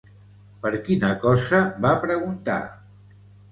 Per quina cosa va preguntar?